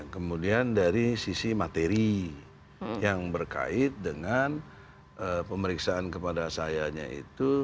kemudian dari sisi materi yang berkait dengan pemeriksaan kepada sayanya itu